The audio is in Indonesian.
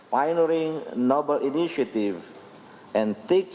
meminjaukan inisiatif yang nobel